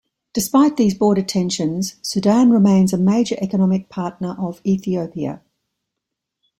Despite these border tensions, Sudan remains a major economic partner of Ethiopia.